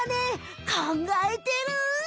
かんがえてる。